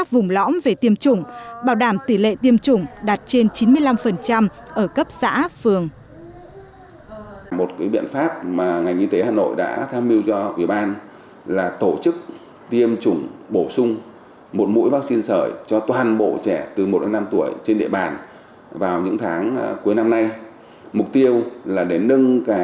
vùng lõng về tiêm chủng bảo đảm tỷ lệ tiêm chủng